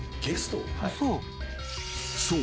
［そう。